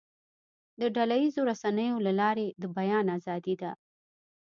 د ډله ییزو رسنیو له لارې د بیان آزادي ده.